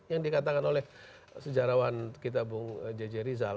yang dikatakan oleh sejarawan kita bung jj rizal